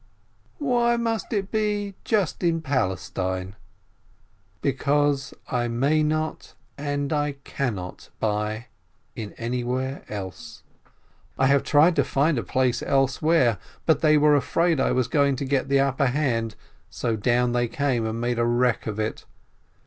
"Why must it be just in Palestine ?" "Because I may not, and I cannot, buy in anywhere else. I have tried to find a place elsewhere, but they were afraid I was going to get the upper hand, so down they came, and made a wreck of it.